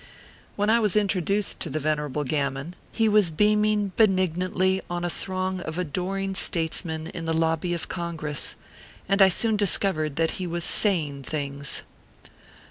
When I was introduced to the Venerable Gammon ORPHEUS C. KKllLt PAPERS. 375 he was beaming benignantly on a throng of adoring statesmen in the lobby of Congress, and I soon dis covered that he was saying things.